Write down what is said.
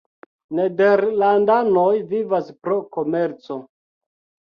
Nederlandanoj vivas pro komerco.